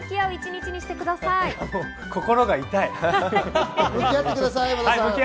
心が痛い。